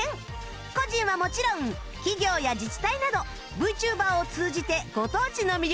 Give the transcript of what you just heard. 個人はもちろん企業や自治体など ＶＴｕｂｅｒ を通じてご当地の魅力を発信